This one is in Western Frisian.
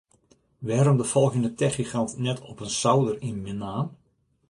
Wêrom de folgjende techgigant net op in souder yn Menaam?